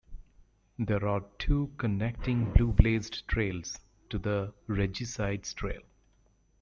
There are two connecting Blue-Blazed Trails to the Regicides Trail.